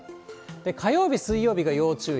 火曜日、水曜日が要注意。